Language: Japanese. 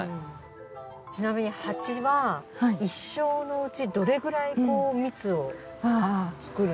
ちなみにハチは一生のうちどれぐらい蜜を作るんですか？